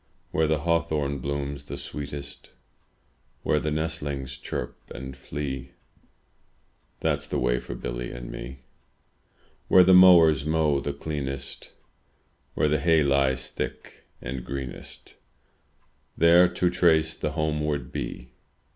Where the hawthorn blooms the sweetest, Where the nestlings chirp and flee. That's the way for Billy and me. Where the mowers mow the cleanest. Where the hay lies thick and greenest, — There to trace the homeward bee.